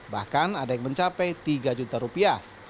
bahkan ada yang mencapai tiga juta rupiah